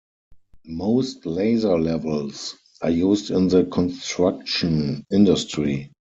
Most laser levels are used in the construction industry.